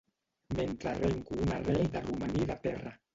Mentre arrenco una arrel de romaní de terra.